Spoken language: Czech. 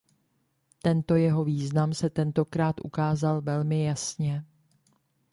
Tento jeho význam se tentokrát ukázal velmi jasně.